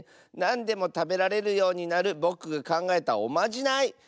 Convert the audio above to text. なんでもたべられるようになるぼくがかんがえたおまじない。